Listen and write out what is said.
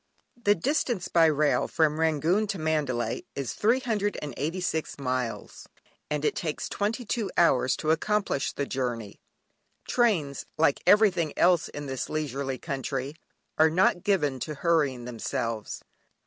(Byron). The distance by rail from Rangoon to Mandalay is 386 miles, and it takes twenty two hours to accomplish the journey. Trains, like everything else in this leisurely country, are not given to hurrying themselves.